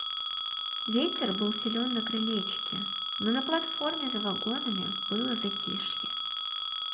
Ветер был силен на крылечке, но на платформе за вагонами было затишье.